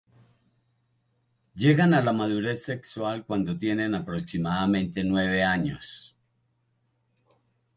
Llegan a la madurez sexual cuando tienen aproximadamente nueve años.